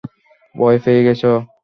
ভয় পেয়ে গেছ?